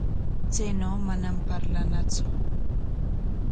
Chaynaw manam parlanatsu.